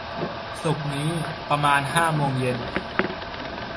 ศุกร์นี้ ประมาณหกโมงเย็น